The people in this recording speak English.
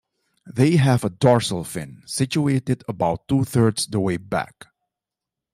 They have a dorsal fin, situated about two-thirds the way back.